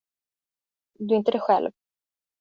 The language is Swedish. Du är inte dig själv.